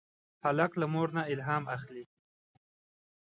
هلک له مور نه الهام اخلي.